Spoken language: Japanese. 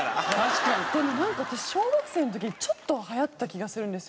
でもなんか私小学生の時ちょっとは流行った気がするんですよ。